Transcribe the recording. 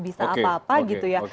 bisa apa apa gitu ya